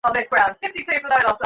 কোনো বিশেষ কাজে কি তুমি বাইরে যাচ্ছ?